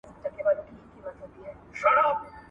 • لاس، لاس پېژني.